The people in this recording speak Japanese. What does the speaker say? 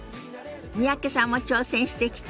三宅さんも挑戦してきて。